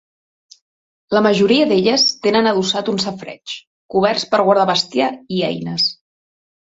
La majoria d'elles tenen adossat un safareig, coberts per guardar bestiar i eines.